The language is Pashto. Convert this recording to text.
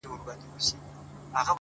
اراده د ستونزو له منځه لارې باسي’